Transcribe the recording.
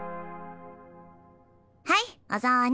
はいお雑煮。